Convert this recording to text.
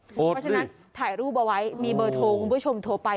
เพราะฉะนั้นถ่ายรูปเอาไว้มีเบอร์โทรคุณผู้ชมโทรไป